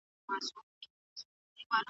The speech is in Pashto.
نجلۍ د مېوې له ونې مڼه راټوله.